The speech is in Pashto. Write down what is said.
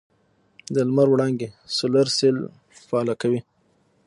د لمر وړانګې سولر سیل فعاله کوي.